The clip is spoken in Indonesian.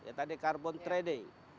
ya tadi carbon trading